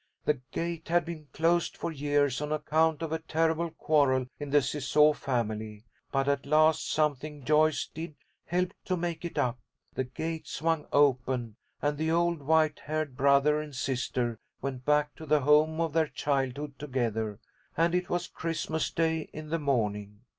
The gate had been closed for years on account of a terrible quarrel in the Ciseaux family, but at last something Joyce did helped to make it up. The gate swung open, and the old white haired brother and sister went back to the home of their childhood together, and it was Christmas Day in the morning.